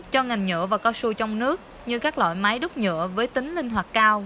cho ngành nhựa và cao su trong nước như các loại máy đúc nhựa với tính linh hoạt cao